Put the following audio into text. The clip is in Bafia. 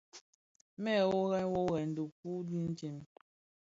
Wè wuorèn wuorèn dhi dikuu ditsem.